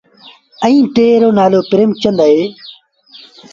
ائيٚݩ ٽي رو نآلو پريمچند اهي۔